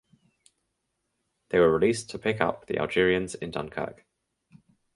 They were released to pick up the Algerians in Dunkirk.